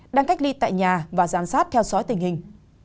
đang cách ly tại nhà và giám sát theo dõi tình hình